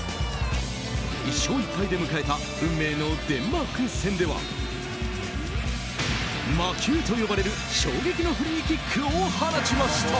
１勝１敗で迎えた運命のデンマーク戦では魔球と呼ばれる衝撃のフリーキックを放ちました。